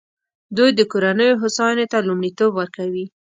دوی د کورنیو هوساینې ته لومړیتوب ورکوي.